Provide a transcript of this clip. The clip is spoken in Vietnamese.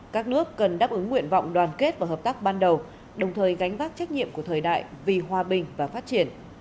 các nước cần đáp ứng nguyện vọng đoàn kết và hợp tác ban đầu đồng thời gánh vác trách nhiệm của thời đại vì hòa bình và phát triển